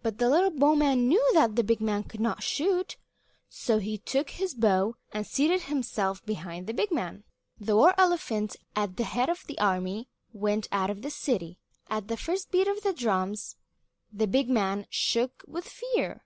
But the little bowman knew that the big man could not shoot, so he took his bow and seated himself behind the big man. Then the war elephant, at the head of the army, went out of the city. At the first beat of the drums, the big man shook with fear.